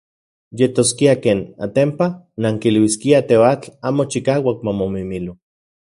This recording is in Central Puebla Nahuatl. Yetoskia ken, atenpa, nankiluiskiaj teoatl amo chikauak mamomimilo.